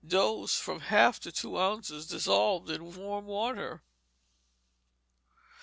Dose, from a half to two ounces, dissolved in warm water.